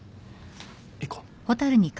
行こう。